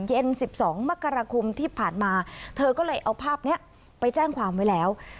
เย็น๑๒มกราคมที่ผ่านมาเธอก็เลยเอาภาพนี้ไปแจ้งความไว้แล้ว